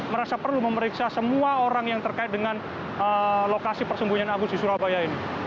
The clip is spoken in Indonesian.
merasa perlu memeriksa semua orang yang terkait dengan lokasi persembunyian agus di surabaya ini